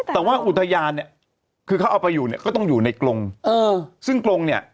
แต่ว่าอุทยานเนี่ยคือเขาเอาไปอยู่เนี่ยก็ต้องอยู่ในกรงเออซึ่งกรงเนี่ย